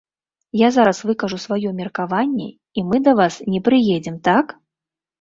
Я зараз выкажу сваё меркаванне, і мы да вас не прыедзем, так?